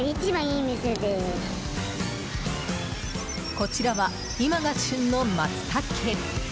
こちらは今が旬のマツタケ。